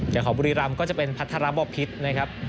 เกี่ยวของบุรีรัมป์ก็จะเป็นพัฒนาบพิษนะครับ